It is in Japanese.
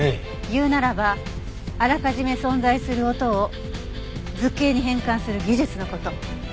言うならばあらかじめ存在する音を図形に変換する技術の事。